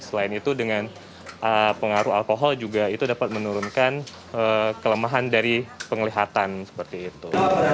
selain itu dengan pengaruh alkohol juga itu dapat menurunkan kelemahan dari penglihatan seperti itu